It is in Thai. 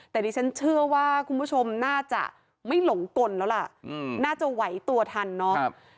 แต่ดิฉันเชื่อว่าคุณผู้ชมน่าจะไม่หลงกลแล้วล่ะน่าจะไหวตัวทันเนาะ